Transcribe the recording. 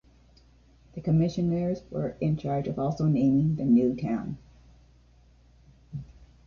The commissioners were in charge of also naming the new town.